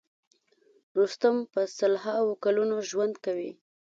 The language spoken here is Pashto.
رستم په سل هاوو کلونه ژوند کوي.